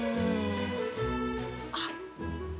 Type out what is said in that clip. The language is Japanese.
あっ。